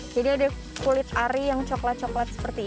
jadi ada kulit ari yang coklat coklat seperti ini